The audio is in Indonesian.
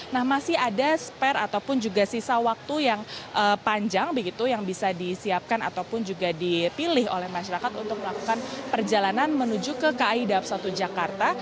nah masih ada spare ataupun juga sisa waktu yang panjang begitu yang bisa disiapkan ataupun juga dipilih oleh masyarakat untuk melakukan perjalanan menuju ke kai dawab satu jakarta